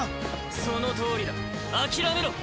そのとおりだ諦めろ。